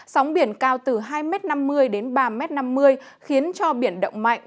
sóng biển cao từ hai năm mươi m đến ba năm mươi m khiến cho biển động mạnh